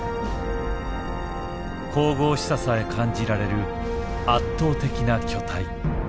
神々しささえ感じられる圧倒的な巨体。